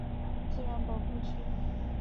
其附近设有同名的自然保护区。